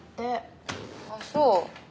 あっそう。